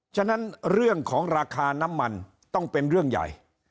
ฉะนั้นเรื่องของราคาน้ำมันต้องเป็นเรื่องใหญ่